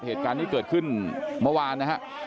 เหตุการณ์นี้เกิดขึ้นเมื่อวานนะฮะ